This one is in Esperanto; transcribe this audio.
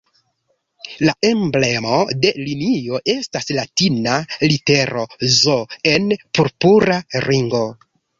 La emblemo de linio estas latina litero "Z" en purpura ringo.